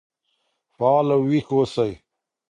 فعال او ويښ اوسئ.